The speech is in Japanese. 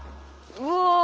うわ。